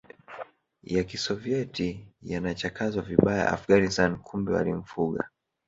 ya Kisovieti yanachakazwa vibaya Afghanistan kumbe walimfuga